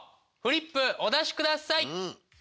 フリップお出しください！